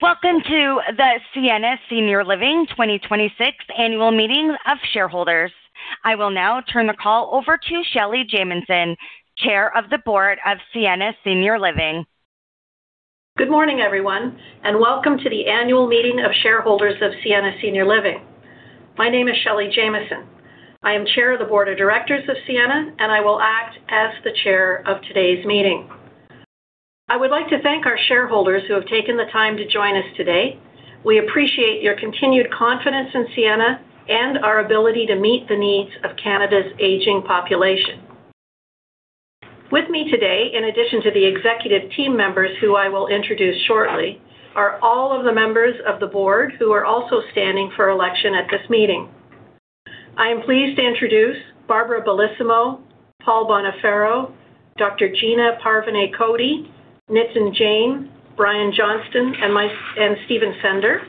Welcome to the Sienna Senior Living 2026 Annual Meeting of Shareholders. I will now turn the call over to Shelly Jamieson, Chair of the Board of Sienna Senior Living. Good morning, everyone, and welcome to The Annual Meeting of Shareholders of Sienna Senior Living. My name is Shelly Jamieson. I am Chair of the Board of Directors of Sienna, and I will act as the Chair of today's meeting. I would like to thank our shareholders who have taken the time to join us today. We appreciate your continued confidence in Sienna and our ability to meet the needs of Canada's aging population. With me today, in addition to the executive team members who I will introduce shortly, are all of the members of the Board who are also standing for election at this meeting. I am pleased to introduce Barbara Bellissimo, Paul Boniferro, Dr. Gina Parvaneh Cody, Nitin Jain, Brian Johnston, and Stephen Sender.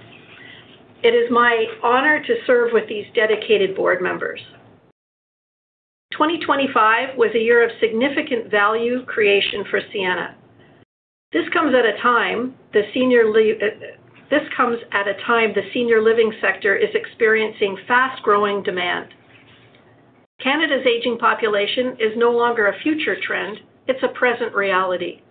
It is my honor to serve with these dedicated board members. 2025 was a year of significant value creation for Sienna. This comes at a time the senior living sector is experiencing fast-growing demand. Canada's aging population is no longer a future trend. It's a present reality.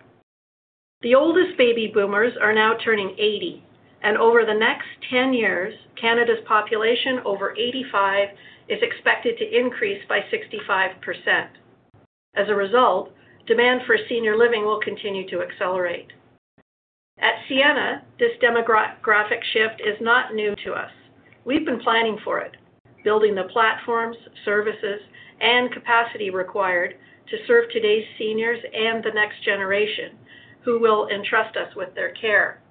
The oldest baby boomers are now turning 80, and over the next 10 years, Canada's population over 85 is expected to increase by 65%. As a result, demand for senior living will continue to accelerate. At Sienna, this demographic shift is not new to us. We've been planning for it, building the platforms, services, and capacity required to serve today's seniors and the next generation who will entrust us with their care.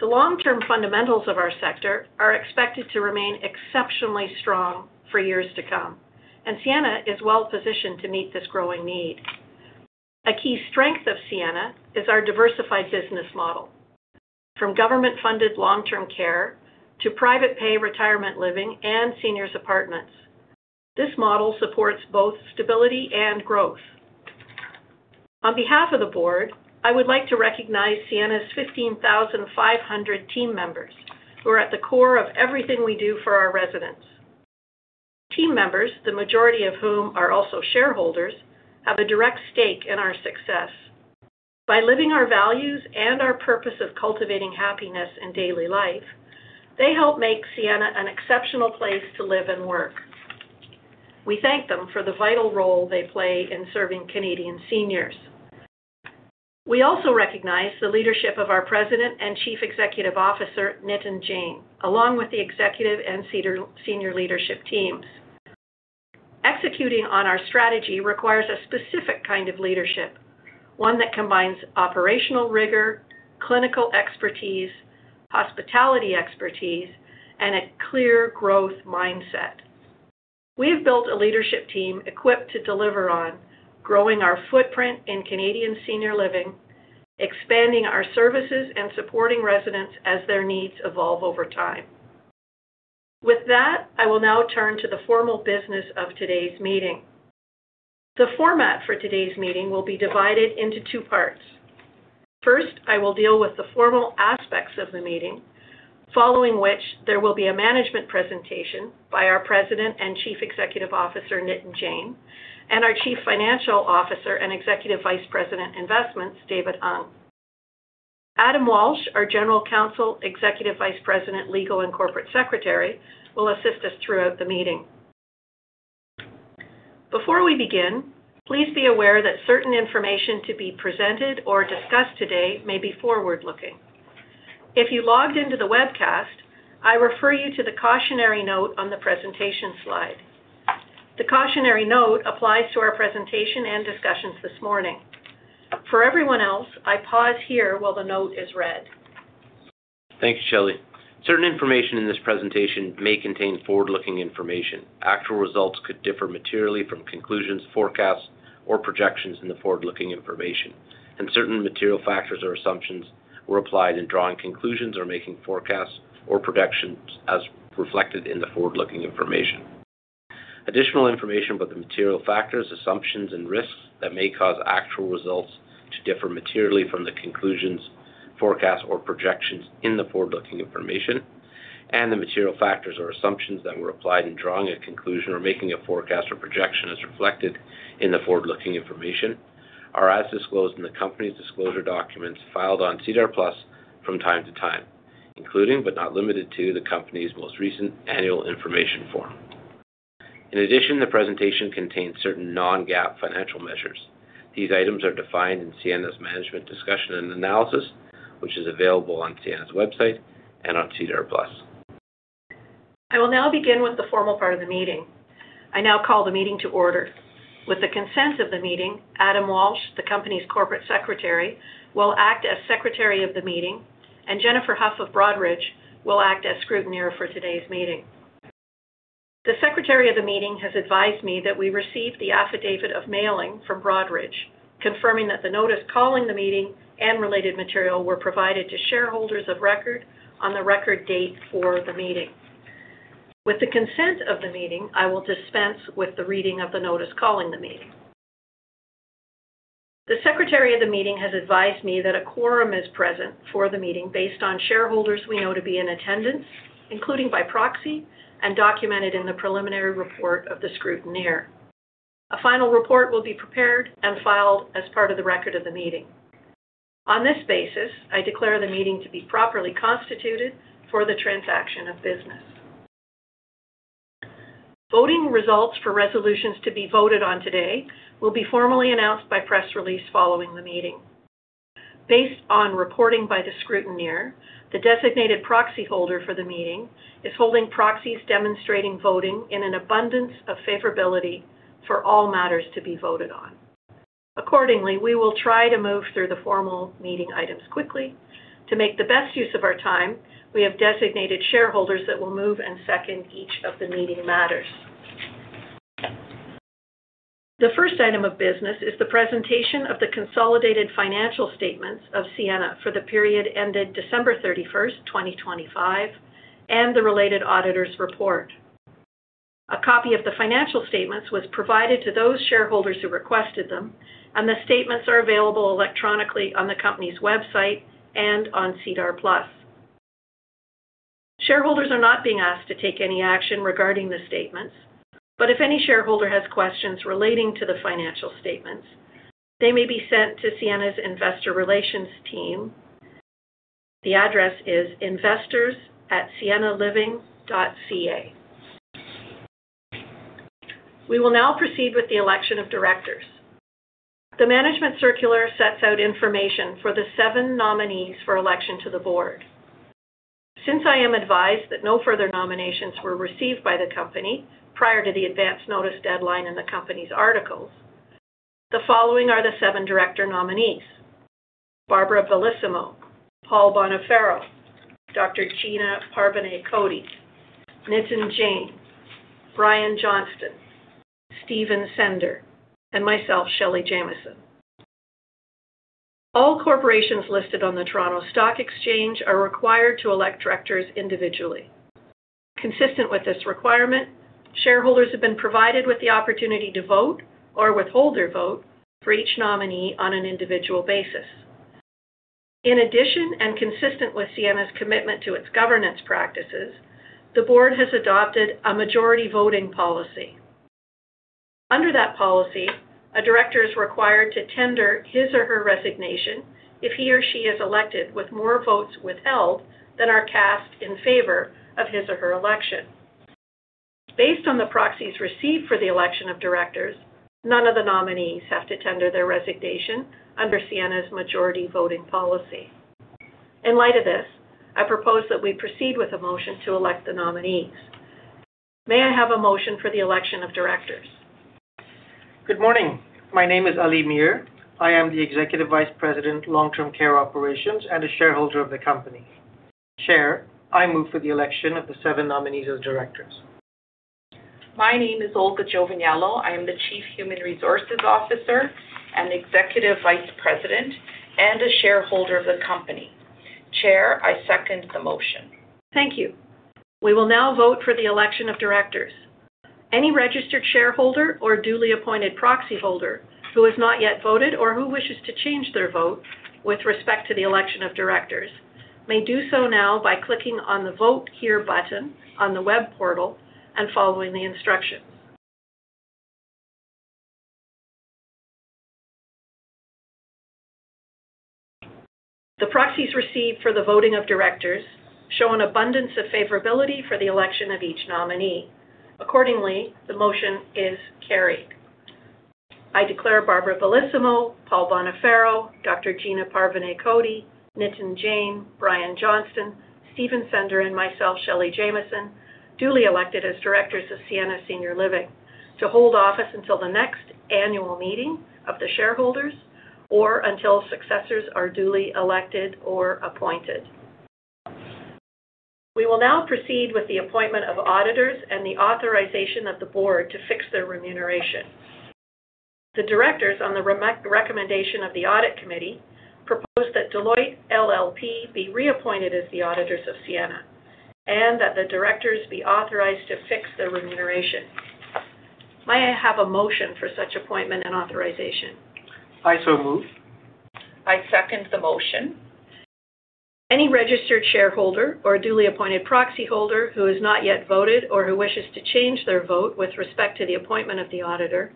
The long-term fundamentals of our sector are expected to remain exceptionally strong for years to come, and Sienna is well positioned to meet this growing need. A key strength of Sienna is our diversified business model, from government-funded long-term care to private pay retirement living and seniors' apartments. This model supports both stability and growth. On behalf of the board, I would like to recognize Sienna's 15,500 team members who are at the core of everything we do for our residents. Team members, the majority of whom are also shareholders, have a direct stake in our success. By living our values and our purpose of cultivating happiness in daily life, they help make Sienna an exceptional place to live and work. We thank them for the vital role they play in serving Canadian seniors. We also recognize the leadership of our President and Chief Executive Officer, Nitin Jain, along with the executive and senior leadership teams. Executing on our strategy requires a specific kind of leadership, one that combines operational rigor, clinical expertise, hospitality expertise, and a clear growth mindset. We have built a leadership team equipped to deliver on growing our footprint in Canadian senior living, expanding our services, and supporting residents as their needs evolve over time. With that, I will now turn to the formal business of today's meeting. The format for today's meeting will be divided into two parts. First, I will deal with the formal aspects of the meeting, following which there will be a management presentation by our President and Chief Executive Officer, Nitin Jain, and our Chief Financial Officer and Executive Vice President, Investments, David Hung. Adam Walsh, our General Counsel, Executive Vice President, Legal, and Corporate Secretary, will assist us throughout the meeting. Before we begin, please be aware that certain information to be presented or discussed today may be forward-looking. If you logged into the webcast, I refer you to the cautionary note on the presentation slide. The cautionary note applies to our presentation and discussions this morning. For everyone else, I pause here while the note is read. Thanks, Shelly. Certain information in this presentation may contain forward-looking information. Actual results could differ materially from conclusions, forecasts, or projections in the forward-looking information. Certain material factors or assumptions were applied in drawing conclusions or making forecasts or projections as reflected in the forward-looking information. Additional information about the material factors, assumptions and risks that may cause actual results to differ materially from the conclusions, forecasts or projections in the forward-looking information and the material factors or assumptions that were applied in drawing a conclusion or making a forecast or projection as reflected in the forward-looking information are as disclosed in the company's disclosure documents filed on SEDAR+ from time to time, including, but not limited to, the company's most recent annual information form. In addition, the presentation contains certain non-GAAP financial measures. These items are defined in Sienna's management discussion and analysis, which is available on Sienna's website and on SEDAR+. I will now begin with the formal part of the meeting. I now call the meeting to order. With the consent of the meeting, Adam Walsh, the company's Corporate Secretary, will act as secretary of the meeting, and Jennifer Hough of Broadridge will act as Scrutineer for today's meeting. The secretary of the meeting has advised me that we received the affidavit of mailing from Broadridge, confirming that the notice calling the meeting and related material were provided to shareholders of record on the record date for the meeting. With the consent of the meeting, I will dispense with the reading of the notice calling the meeting. The secretary of the meeting has advised me that a quorum is present for the meeting based on shareholders we know to be in attendance, including by proxy and documented in the preliminary report of the scrutineer. A final report will be prepared and filed as part of the record of the meeting. On this basis, I declare the meeting to be properly constituted for the transaction of business. Voting results for resolutions to be voted on today will be formally announced by press release following the meeting. Based on reporting by the Scrutineer, the designated proxy holder for the meeting is holding proxies demonstrating voting in an abundance of favorability for all matters to be voted on. Accordingly, we will try to move through the formal meeting items quickly. To make the best use of our time, we have designated shareholders that will move and second each of the meeting matters. The first item of business is the presentation of the consolidated financial statements of Sienna for the period ended December 31st, 2025, and the related auditor's report. A copy of the financial statements was provided to those shareholders who requested them, and the statements are available electronically on the company's website and on SEDAR+. Shareholders are not being asked to take any action regarding the statements, but if any shareholder has questions relating to the financial statements, they may be sent to Sienna's investor relations team. The address is investors@siennaliving.ca. We will now proceed with the election of directors. The management circular sets out information for the seven nominees for election to the board. Since I am advised that no further nominations were received by the company prior to the advance notice deadline in the company's articles, the following are the seven director nominees: Barbara Bellissimo, Paul Boniferro, Dr. Gina Parvaneh Cody, Nitin Jain, Brian Johnston, Stephen Sender, and myself, Shelly Jamieson. All corporations listed on the Toronto Stock Exchange are required to elect directors individually. Consistent with this requirement, shareholders have been provided with the opportunity to vote or withhold their vote for each nominee on an individual basis. In addition, and consistent with Sienna's commitment to its governance practices, the board has adopted a majority voting policy. Under that policy, a director is required to tender his or her resignation if he or she is elected with more votes withheld than are cast in favor of his or her election. Based on the proxies received for the election of directors, none of the nominees have to tender their resignation under Sienna's majority voting policy. In light of this, I propose that we proceed with a motion to elect the nominees. May I have a motion for the election of directors? Good morning. My name is Ali Mir. I am the Executive Vice President, Long-Term Care Operations and a shareholder of the company. Chair, I move for the election of the seven nominees as directors. My name is Olga Giovanniello. I am the Chief Human Resources Officer and Executive Vice President, and a shareholder of the company. Chair, I second the motion. Thank you. We will now vote for the election of directors. Any registered shareholder or duly appointed proxy holder who has not yet voted or who wishes to change their vote with respect to the election of directors, may do so now by clicking on the vote here button on the web portal and following the instructions. The proxies received for the voting of directors show an abundance of favorability for the election of each nominee. The motion is carried. I declare Barbara Bellissimo, Paul Boniferro, Dr. Gina Parvaneh Cody, Nitin Jain, Brian Johnston, Stephen Sender, and myself, Shelly Jamieson, duly elected as directors of Sienna Senior Living to hold office until the next annual meeting of the shareholders or until successors are duly elected or appointed. We will now proceed with the appointment of auditors and the authorization of the board to fix their remuneration. The directors, on the recommendation of the audit committee, propose that Deloitte LLP be reappointed as the auditors of Sienna, and that the directors be authorized to fix their remuneration. May I have a motion for such appointment and authorization? I so move. I second the motion. Any registered shareholder or duly appointed proxy holder who has not yet voted or who wishes to change their vote with respect to the appointment of the auditor,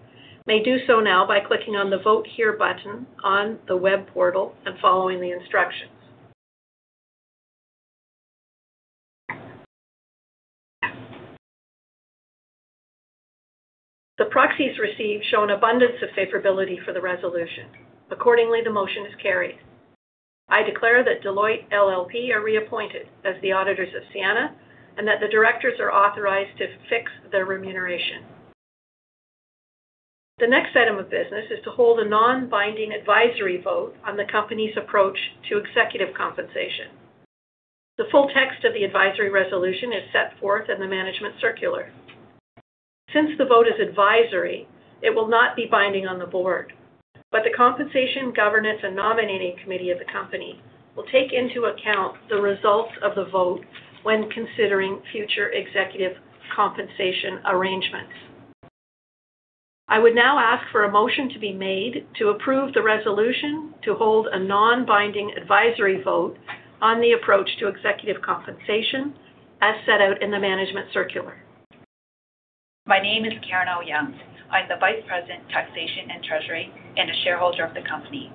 may do so now by clicking on the vote here button on the web portal and following the instructions. The proxies received show an abundance of favorability for the resolution. Accordingly, the motion is carried. I declare that Deloitte LLP are reappointed as the auditors of Sienna, and that the directors are authorized to fix their remuneration. The next item of business is to hold a non-binding advisory vote on the company's approach to executive compensation. The full text of the advisory resolution is set forth in the management circular. Since the vote is advisory, it will not be binding on the board, but the Compensation Governance and Nominating Committee of the company will take into account the results of the vote when considering future executive compensation arrangements. I would now ask for a motion to be made to approve the resolution to hold a non-binding advisory vote on the approach to executive compensation as set out in the management circular. My name is Karen Au-Yeung. I'm the Vice President, Taxation and Treasury, and a shareholder of the company.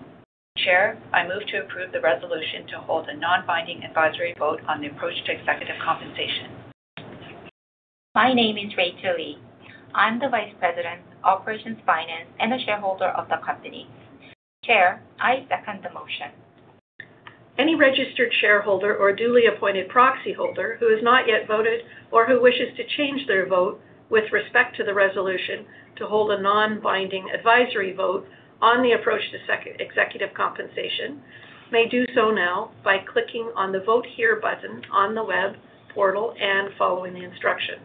Chair, I move to approve the resolution to hold a non-binding advisory vote on the approach to executive compensation. My name is Rachael Lee. I'm the Vice President, Operations Finance, and a shareholder of the company. Chair, I second the motion. Any registered shareholder or duly appointed proxy holder who has not yet voted or who wishes to change their vote with respect to the resolution to hold a non-binding advisory vote on the approach to executive compensation may do so now by clicking on the Vote Here button on the web portal and following the instructions.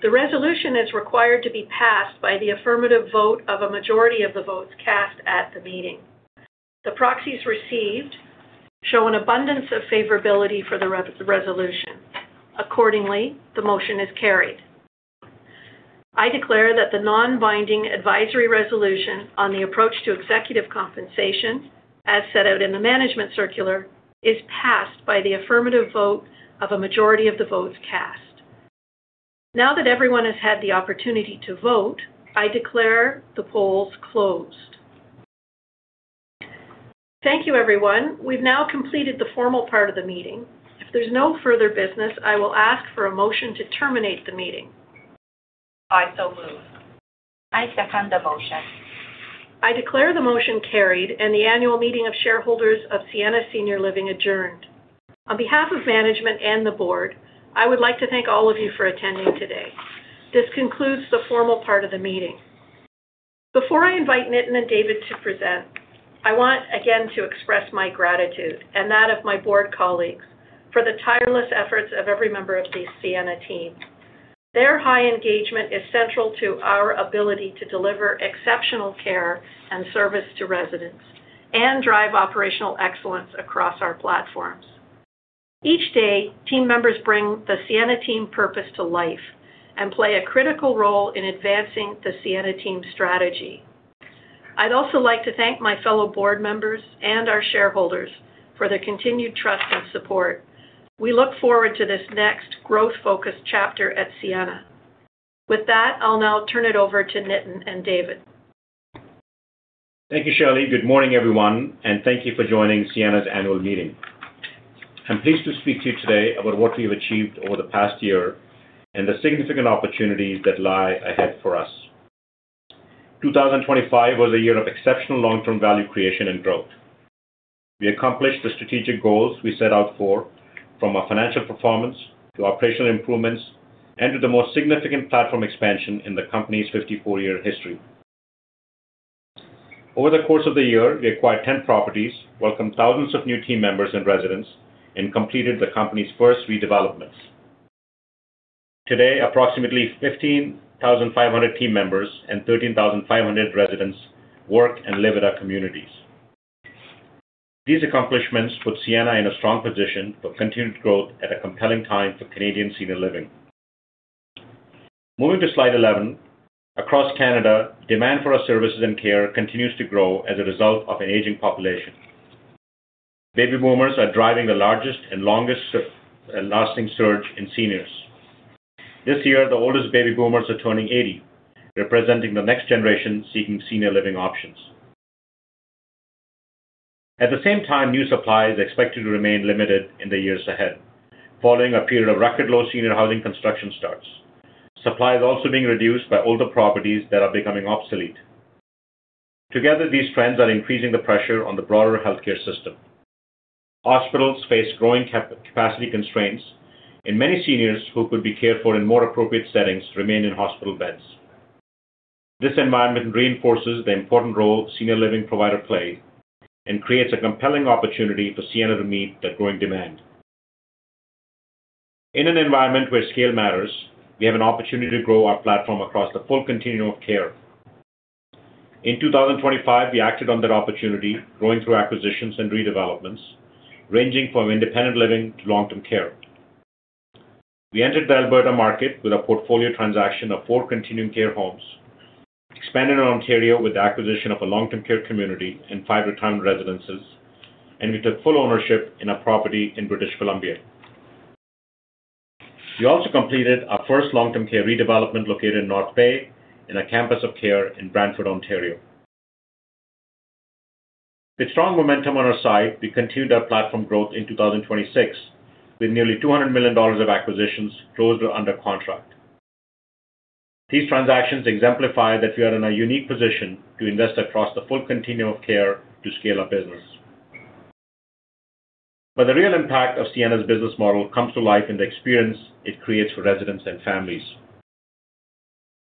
The resolution is required to be passed by the affirmative vote of a majority of the votes cast at the meeting. The proxies received show an abundance of favorability for the resolution. Accordingly, the motion is carried. I declare that the non-binding advisory resolution on the approach to executive compensation, as set out in the management circular, is passed by the affirmative vote of a majority of the votes cast. Now that everyone has had the opportunity to vote, I declare the polls closed. Thank you everyone. We've now completed the formal part of the meeting. If there's no further business, I will ask for a motion to terminate the meeting. I so move. I second the motion. I declare the motion carried and the annual meeting of shareholders of Sienna Senior Living adjourned. On behalf of management and the board, I would like to thank all of you for attending today. This concludes the formal part of the meeting. Before I invite Nitin and David to present, I want again to express my gratitude, and that of my board colleagues, for the tireless efforts of every member of the Sienna team. Their high engagement is central to our ability to deliver exceptional care and service to residents and drive operational excellence across our platforms. Each day, team members bring the Sienna team purpose to life and play a critical role in advancing the Sienna team strategy. I'd also like to thank my fellow board members and our shareholders for their continued trust and support. We look forward to this next growth-focused chapter at Sienna. With that, I'll now turn it over to Nitin and David. Thank you, Shelly. Good morning, everyone, and thank you for joining Sienna's annual meeting. I'm pleased to speak to you today about what we've achieved over the past year and the significant opportunities that lie ahead for us. 2025 was a year of exceptional long-term value creation and growth. We accomplished the strategic goals we set out for, from our financial performance to operational improvements and to the most significant platform expansion in the company's 54-year history. Over the course of the year, we acquired 10 properties, welcomed thousands of new team members and residents, and completed the company's first redevelopments. Today, approximately 15,500 team members and 13,500 residents work and live at our communities. These accomplishments put Sienna in a strong position for continued growth at a compelling time for Canadian senior living. Moving to slide 11, across Canada, demand for our services and care continues to grow as a result of an aging population. Baby boomers are driving the largest and longest lasting surge in seniors. This year, the oldest baby boomers are turning 80, representing the next generation seeking senior living options. At the same time, new supply is expected to remain limited in the years ahead, following a period of record low senior housing construction starts. Supply is also being reduced by older properties that are becoming obsolete. Together, these trends are increasing the pressure on the broader healthcare system. Hospitals face growing capacity constraints, and many seniors who could be cared for in more appropriate settings remain in hospital beds. This environment reinforces the important role senior living providers play and creates a compelling opportunity for Sienna to meet the growing demand. In an environment where scale matters, we have an opportunity to grow our platform across the full continuum of care. In 2025, we acted on that opportunity, growing through acquisitions and redevelopments ranging from independent living to long-term care. We entered the Alberta market with a portfolio transaction of four continuing care homes, expanded in Ontario with the acquisition of a long-term care community and five retirement residences, and we took full ownership in a property in British Columbia. We also completed our first long-term care redevelopment, located in North Bay and a campus of care in Brantford, Ontario. With strong momentum on our side, we continued our platform growth in 2026 with nearly 200 million dollars of acquisitions closed or under contract. These transactions exemplify that we are in a unique position to invest across the full continuum of care to scale our business. The real impact of Sienna's business model comes to life in the experience it creates for residents and families.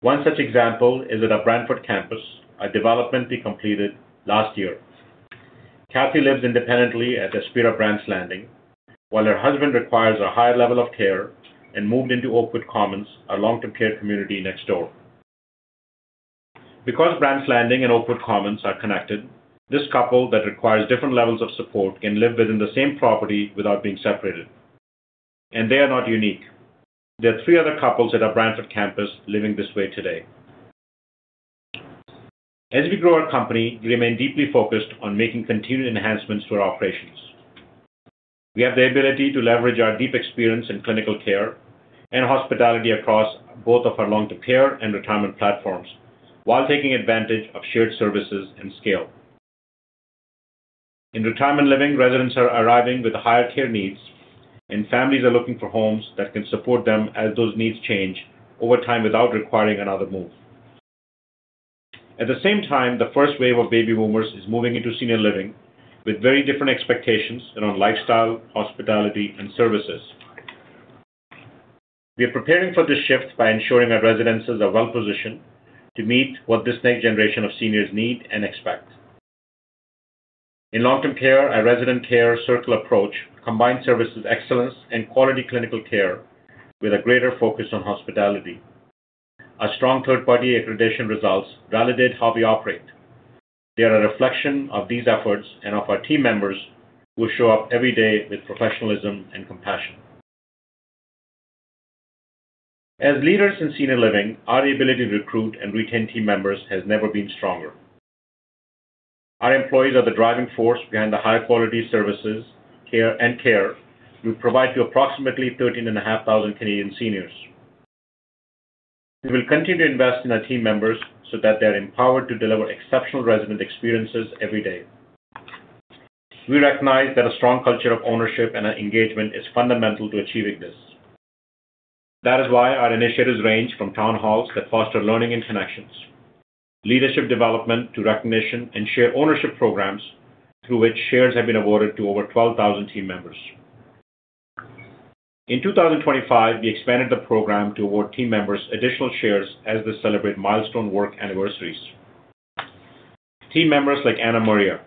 One such example is at our Brantford campus, a development we completed last year. Cathy lives independently at Aspira Brant's Landing, while her husband requires a higher level of care and moved into Oakwood Commons, our long-term care community next door. Brant's Landing and Oakwood Commons are connected, this couple that requires different levels of support can live within the same property without being separated. They are not unique. There are three other couples at our Brantford campus living this way today. As we grow our company, we remain deeply focused on making continued enhancements to our operations. We have the ability to leverage our deep experience in clinical care and hospitality across both of our long-term care and retirement platforms while taking advantage of shared services and scale. In retirement living, residents are arriving with higher care needs, and families are looking for homes that can support them as those needs change over time without requiring another move. At the same time, the first wave of baby boomers is moving into senior living with very different expectations around lifestyle, hospitality, and services. We are preparing for this shift by ensuring our residences are well-positioned to meet what this next generation of seniors need and expect. In long-term care, our resident care circle approach combines services excellence and quality clinical care with a greater focus on hospitality. Our strong third-party accreditation results validate how we operate. They are a reflection of these efforts and of our team members who show up every day with professionalism and compassion. As leaders in senior living, our ability to recruit and retain team members has never been stronger. Our employees are the driving force behind the high-quality services and care we provide to approximately 13,500 Canadian seniors. We will continue to invest in our team members so that they are empowered to deliver exceptional resident experiences every day. We recognize that a strong culture of ownership and engagement is fundamental to achieving this. That is why our initiatives range from town halls that foster learning and connections, leadership development to recognition, and share ownership programs, through which shares have been awarded to over 12,000 team members. In 2025, we expanded the program to award team members additional shares as they celebrate milestone work anniversaries. Team members like Anna Maria,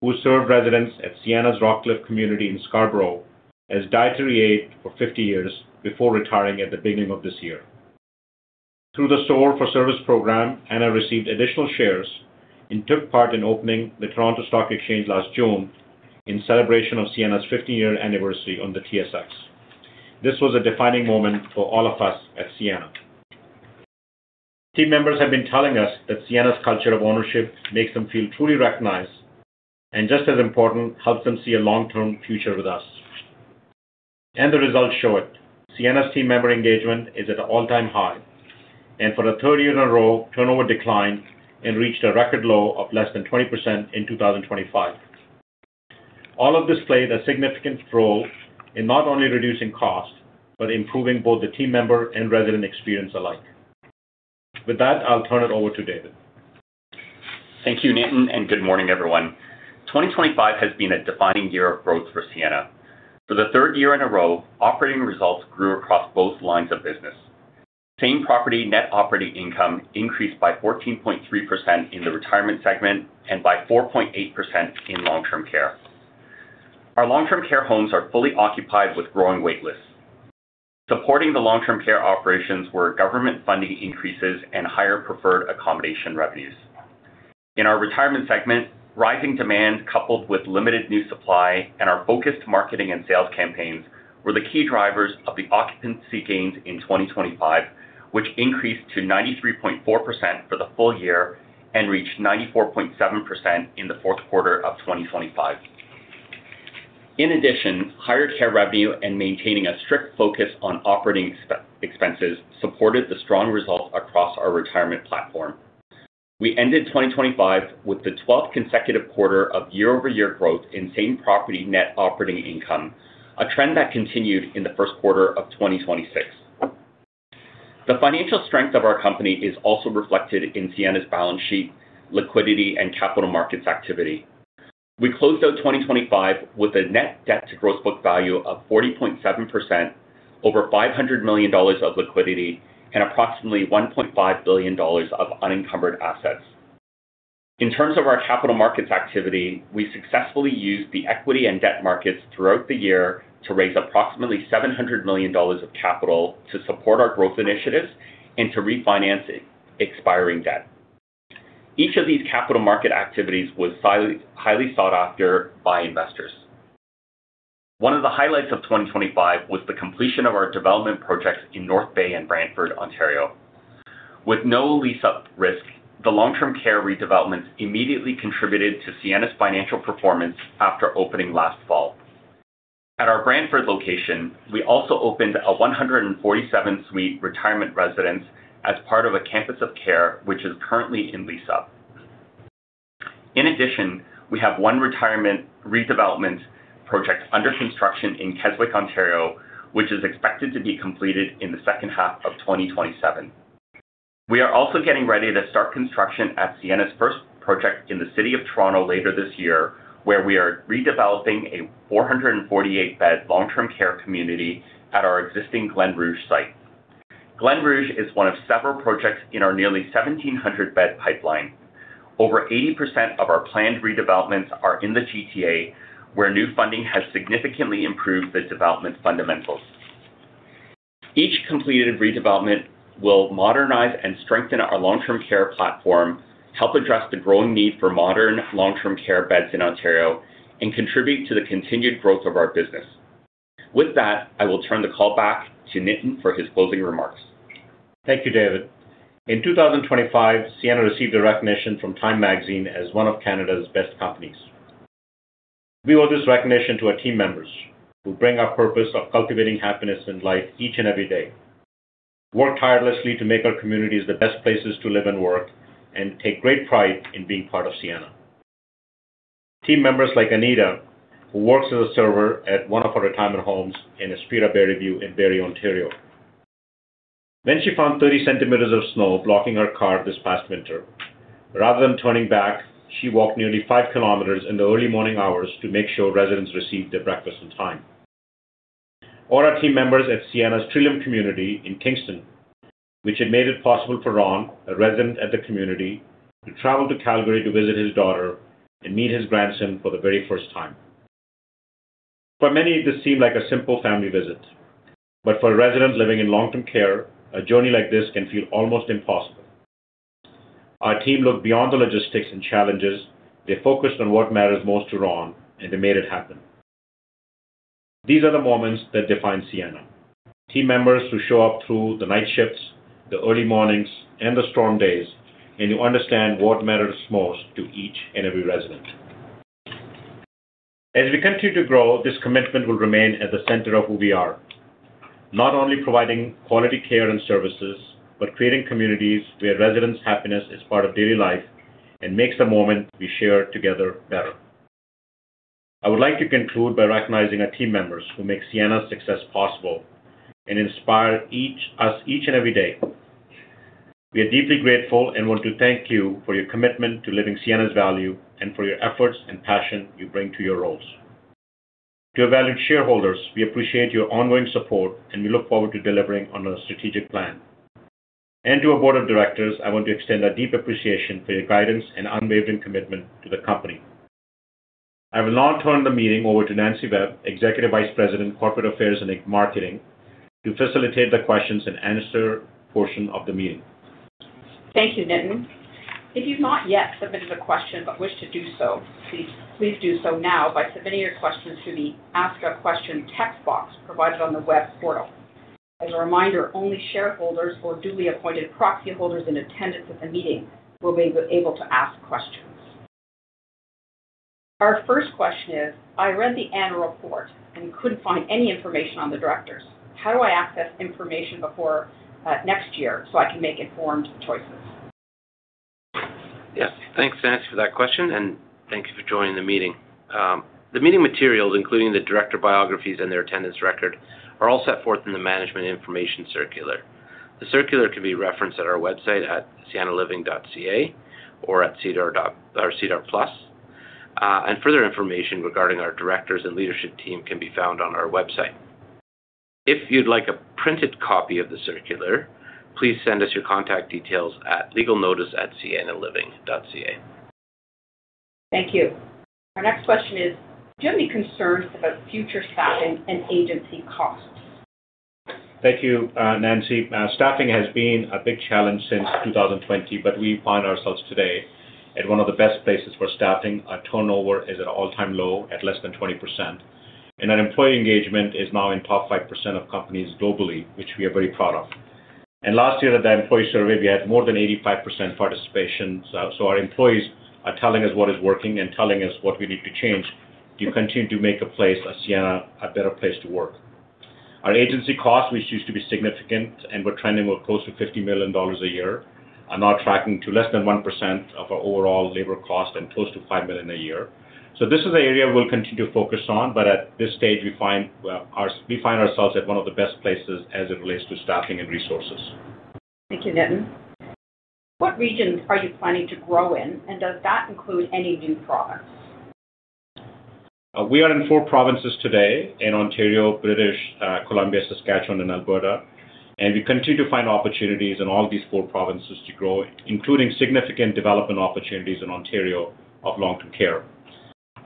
who served residents at Sienna's Rockcliffe Community in Scarborough as a dietary aide for 50 years before retiring at the beginning of this year. Through the SOAR for Service program, Anna received additional shares and took part in opening the Toronto Stock Exchange last June in celebration of Sienna's 50-year anniversary on the TSX. This was a defining moment for all of us at Sienna. Team members have been telling us that Sienna's culture of ownership makes them feel truly recognized and, just as important, helps them see a long-term future with us. The results show it. Sienna's team member engagement is at an all-time high. For the third year in a row, turnover declined and reached a record low of less than 20% in 2025. All of this played a significant role in not only reducing costs, but improving both the team member and resident experience alike. With that, I'll turn it over to David. Thank you, Nitin, and good morning, everyone. 2025 has been a defining year of growth for Sienna. For the third year in a row, operating results grew across both lines of business. Same-property net operating income increased by 14.3% in the retirement segment and by 4.8% in long-term care. Our long-term care homes are fully occupied with growing wait lists. Supporting the long-term care operations were government funding increases and higher preferred accommodation revenues. In our retirement segment, rising demand, coupled with limited new supply and our focused marketing and sales campaigns, were the key drivers of the occupancy gains in 2025, which increased to 93.4% for the full year and reached 94.7% in the fourth quarter of 2025. In addition, higher care revenue and maintaining a strict focus on operating expenses supported the strong results across our retirement platform. We ended 2025 with the 12th consecutive quarter of year-over-year growth in same-property net operating income, a trend that continued in the first quarter of 2026. The financial strength of our company is also reflected in Sienna's balance sheet, liquidity, and capital markets activity. We closed out 2025 with a net debt to gross book value of 40.7%, over 500 million dollars of liquidity, and approximately 1.5 billion dollars of unencumbered assets. In terms of our capital markets activity, we successfully used the equity and debt markets throughout the year to raise approximately 700 million dollars of capital to support our growth initiatives and to refinance expiring debt. Each of these capital market activities was highly sought after by investors. One of the highlights of 2025 was the completion of our development projects in North Bay and Brantford, Ontario. With no lease-up risk, the long-term care redevelopments immediately contributed to Sienna's financial performance after opening last fall. At our Brantford location, we also opened a 147-suite retirement residence as part of a campus of care, which is currently in lease-up. We have one retirement redevelopment project under construction in Keswick, Ontario, which is expected to be completed in the second half of 2027. We are also getting ready to start construction at Sienna's first project in the city of Toronto later this year, where we are redeveloping a 448-bed long-term care community at our existing Glen Rouge site. Glen Rouge is one of several projects in our nearly 1,700-bed pipeline. Over 80% of our planned redevelopments are in the GTA, where new funding has significantly improved the development fundamentals. Each completed redevelopment will modernize and strengthen our long-term care platform, help address the growing need for modern long-term care beds in Ontario, and contribute to the continued growth of our business. With that, I will turn the call back to Nitin for his closing remarks. Thank you, David. In 2025, Sienna received a recognition from Time Magazine as one of Canada's best companies. We owe this recognition to our team members who bring our purpose of cultivating happiness and life each and every day, work tirelessly to make our communities the best places to live and work, and take great pride in being part of Sienna. Team members like Anita, who works as a server at one of our retirement homes in Aspira Barrie View in Barrie, Ontario. When she found 30 centimeters of snow blocking her car this past winter, rather than turning back, she walked nearly five kilometers in the early morning hours to make sure residents received their breakfast on time. All our team members at Sienna's Trillium Community in Kingston, which had made it possible for Ron, a resident at the community, to travel to Calgary to visit his daughter and meet his grandson for the very first time. For many, this seemed like a simple family visit, but for residents living in long-term care, a journey like this can feel almost impossible. Our team looked beyond the logistics and challenges. They focused on what matters most to Ron, and they made it happen. These are the moments that define Sienna. Team members who show up through the night shifts, the early mornings, and the storm days, and who understand what matters most to each and every resident. As we continue to grow, this commitment will remain at the center of who we are, not only providing quality care and services, but creating communities where residents' happiness is part of daily life and makes the moment we share together better. I would like to conclude by recognizing our team members who make Sienna's success possible and inspire us each and every day. We are deeply grateful and want to thank you for your commitment to living Sienna's value and for your efforts and passion you bring to your roles. To our valued shareholders, we appreciate your ongoing support, and we look forward to delivering on our strategic plan. To our board of directors, I want to extend our deep appreciation for your guidance and unwavering commitment to the company. I will now turn the meeting over to Nancy Webb, Executive Vice President, Corporate Affairs and Marketing, to facilitate the questions and answer portion of the meeting. Thank you, Nitin. If you've not yet submitted a question but wish to do so, please do so now by submitting your questions through the Ask a Question text box provided on the web portal. As a reminder, only shareholders or duly appointed proxy holders in attendance at the meeting will be able to ask questions. Our first question is, I read the annual report and couldn't find any information on the directors. How do I access information before next year so I can make informed choices? Yes. Thanks, Nancy, for that question, and thank you for joining the meeting. The meeting materials, including the director biographies and their attendance record, are all set forth in the management information circular. The circular can be referenced at our website at siennaliving.ca or at SEDAR+. Further information regarding our directors and leadership team can be found on our website. If you'd like a printed copy of the circular, please send us your contact details at legalnotice@siennaliving.ca. Thank you. Our next question is, do you have any concerns about future staffing and agency costs? Thank you, Nancy. Staffing has been a big challenge since 2020. We find ourselves today at one of the best places for staffing. Our turnover is at an all-time low, at less than 20%. Our employee engagement is now in top 5% of companies globally, which we are very proud of. Last year at that employee survey, we had more than 85% participation. Our employees are telling us what is working and telling us what we need to change to continue to make a place at Sienna a better place to work. Our agency cost, which used to be significant, and we're trending close to 50 million dollars a year, are now tracking to less than 1% of our overall labor cost and close to 5 million a year. This is an area we'll continue to focus on, but at this stage, we find ourselves at one of the best places as it relates to staffing and resources. Thank you, Nitin. What regions are you planning to grow in, and does that include any new products? We are in four provinces today, in Ontario, British Columbia, Saskatchewan, and Alberta, we continue to find opportunities in all these four provinces to grow, including significant development opportunities in Ontario of long-term care.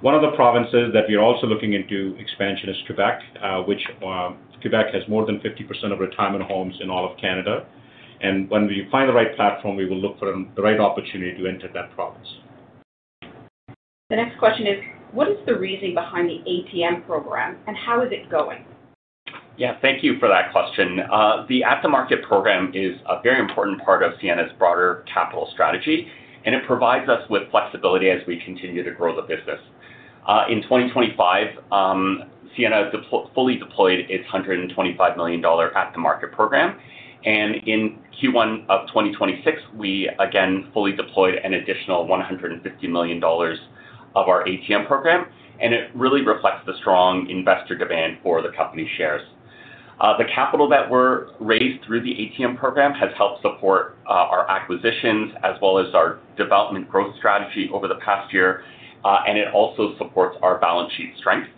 One of the provinces that we're also looking into expansion is Quebec, which Quebec has more than 50% of retirement homes in all of Canada. When we find the right platform, we will look for the right opportunity to enter that province. The next question is, what is the reasoning behind the ATM program and how is it going? Yeah. Thank you for that question. The at-the-market program is a very important part of Sienna's broader capital strategy, and it provides us with flexibility as we continue to grow the business. In 2025, Sienna fully deployed its 125 million dollar at-the-market program, and in Q1 of 2026, we again fully deployed an additional 150 million dollars of our ATM program, and it really reflects the strong investor demand for the company shares. The capital that were raised through the ATM program has helped support our acquisitions as well as our development growth strategy over the past year, and it also supports our balance sheet strength.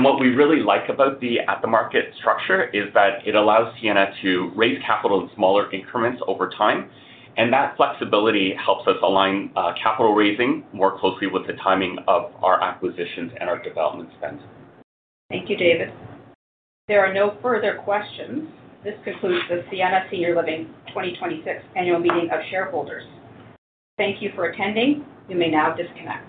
What we really like about the at-the-market structure is that it allows Sienna to raise capital in smaller increments over time, and that flexibility helps us align capital raising more closely with the timing of our acquisitions and our development spend. Thank you, David. There are no further questions. This concludes the Sienna Senior Living 2026 annual meeting of shareholders. Thank you for attending. You may now disconnect.